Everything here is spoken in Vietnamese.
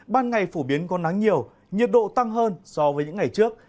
ban ngày phổ biến có nắng nhiều nhiệt độ tăng hơn so với những ngày trước